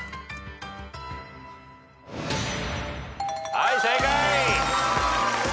はい正解。